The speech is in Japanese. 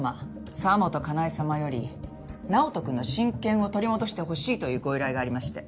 澤本香奈江様より直人君の親権を取り戻してほしいというご依頼がありまして。